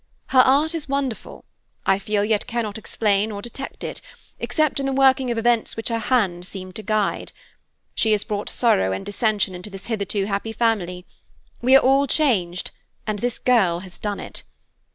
Her art is wonderful; I feel yet cannot explain or detect it, except in the working of events which her hand seems to guide. She has brought sorrow and dissension into this hitherto happy family. We are all changed, and this girl has done it.